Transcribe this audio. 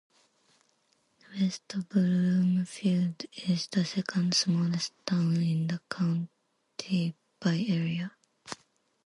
West Bloomfield is the second smallest town in the county by area.